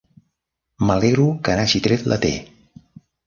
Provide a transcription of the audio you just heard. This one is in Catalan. M'alegro que n'hagi tret la "T".